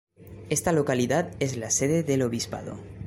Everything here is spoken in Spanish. Esta localidad es la sede del obispado.